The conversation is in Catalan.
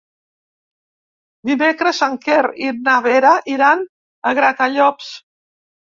Dimecres en Quer i na Vera iran a Gratallops.